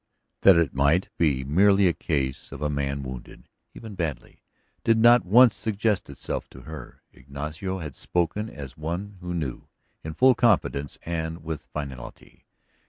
That it might be merely a case of a man wounded, even badly, did not once suggest itself to her. Ignacio had spoken as one who knew, in full confidence and with finality.